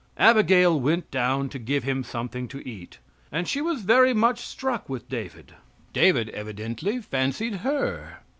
Abigail went down to give him something to eat, and she was very much struck with David, David evidently fancied her.